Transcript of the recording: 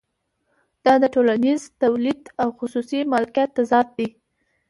دا د ټولنیز تولید او خصوصي مالکیت تضاد دی